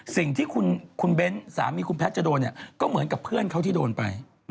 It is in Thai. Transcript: สิ่งที่คุณเบ้นสามีคุณแพทย์จะโดนเนี่ยก็เหมือนกับเพื่อนเขาที่โดนไป